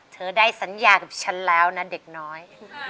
เธอได้สัญญากับฉันแล้วนะเด็กน้อย